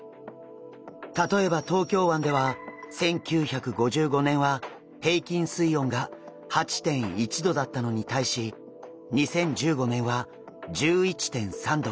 例えば東京湾では１９５５年は平均水温が８．１℃だったのに対し２０１５年は１１．３℃。